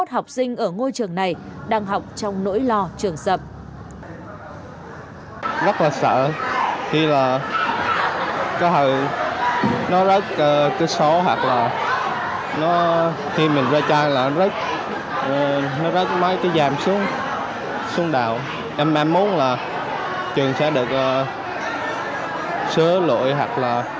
sáu trăm chín mươi một học sinh ở ngôi trường này đang học trong nỗi lo trường sập